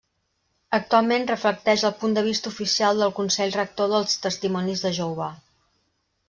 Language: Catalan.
Actualment reflecteix el punt de vista oficial del Consell Rector dels Testimonis de Jehovà.